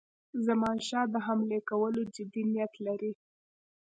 زمانشاه د حملې کولو جدي نیت لري.